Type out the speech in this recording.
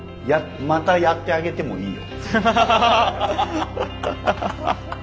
またやってあげてもいいよ。